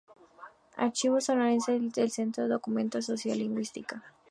Archivo Sonoro de Galicia y el Centro de Documentación Sociolingüística.